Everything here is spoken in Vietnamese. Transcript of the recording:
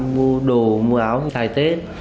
mua đồ mua áo xài tết